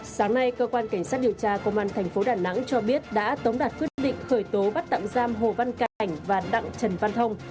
sáng nay cơ quan cảnh sát điều tra công an thành phố đà nẵng cho biết đã tống đạt quyết định khởi tố bắt tạm giam hồ văn ca ảnh và đặng trần văn thông